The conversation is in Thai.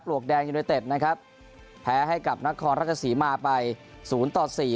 ปลวกแดงยูนิเต็ตนะครับแพ้ให้กับนักคอร์รักษาศรีมาไปศูนย์ต่อสี่